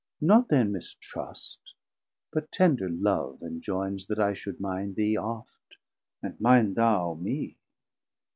Not then mistrust, but tender love enjoynes, That I should mind thee oft, and mind thou me.